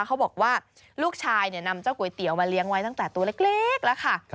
เขาบอกว่าลูกชายนำเจ้าก๋วยเตี๋ยวมาเลี้ยงไว้ตั้งแต่ตัวเล็กแล้วค่ะ